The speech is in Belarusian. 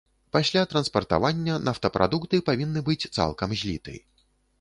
Пасля транспартавання нафтапрадукты павінны быць цалкам зліты.